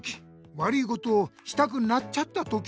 悪いことをしたくなっちゃったとき。